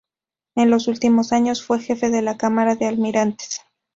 En los últimos años fue jefe de la Cámara de Almirantes.